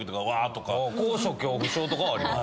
高所恐怖症とかはあります。